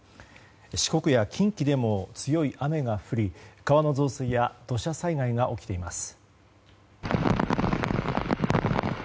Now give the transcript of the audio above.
四国や近畿でも強い雨が降り川の増水や土砂災害が起きています。